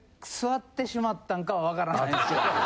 分からないです。